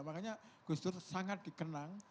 makanya gus dur sangat dikenang